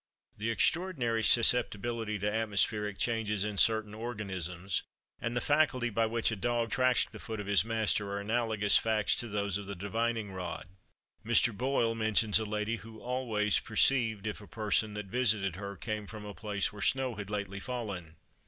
The extraordinary susceptibility to atmospheric changes in certain organisms, and the faculty by which a dog tracks the foot of his master, are analogous facts to those of the divining rod. Mr. Boyle mentions a lady who always perceived if a person that visited her came from a place where snow had lately fallen.